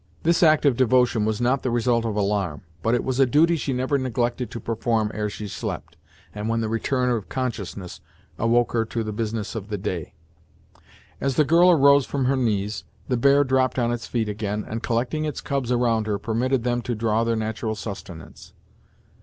This act of devotion was not the result of alarm, but it was a duty she never neglected to perform ere she slept, and when the return of consciousness awoke her to the business of the day. As the girl arose from her knees, the bear dropped on its feet again, and collecting its cubs around her, permitted them to draw their natural sustenance.